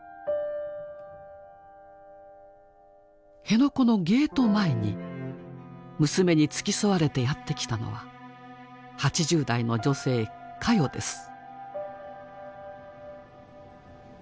辺野古のゲート前に娘に付き添われてやって来たのは８０代の女性「カヨ」です。